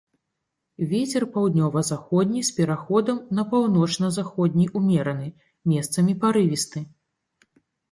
Вецер паўднёва-заходні з пераходам на паўночна-заходні ўмераны, месцамі парывісты.